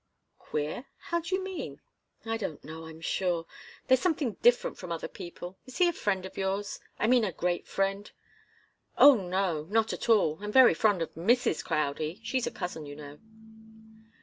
"Queer? How do you mean?" "I don't know, I'm sure. There's something different from other people. Is he a friend of yours? I mean, a great friend?" "Oh, no not at all. I'm very fond of Mrs. Crowdie. She's a cousin, you know."